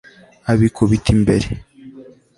abikubita imbere